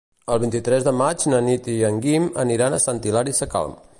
El vint-i-tres de maig na Nit i en Guim aniran a Sant Hilari Sacalm.